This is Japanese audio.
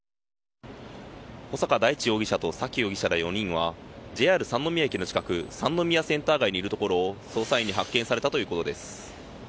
穂坂大地容疑者と沙喜容疑者ら４人はＪＲ三ノ宮駅の近く三宮センター街にいるところを捜査員に発見されたということです。